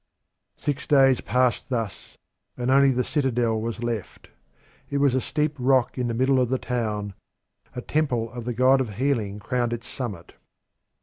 Six days passed thus, and only the citadel was left. It was a steep rock in the middle of the town; a temple of the God of Healing crowned its summit.